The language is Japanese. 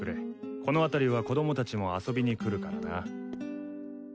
この辺りは子供たちも遊びにくるからな。